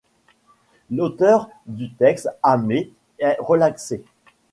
L'auteur du texte, Hamé, est relaxé.